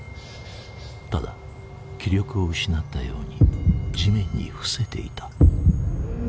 ただ気力を失ったように地面に伏せていた。